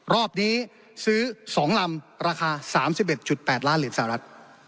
รอบนี้ซื้อ๒ลำราคา๓๑๘ล้านเหรียญสหรัฐ